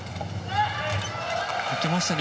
行きましたね。